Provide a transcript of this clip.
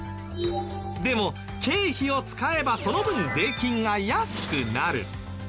でも経費を使えばその分税金が安くなる。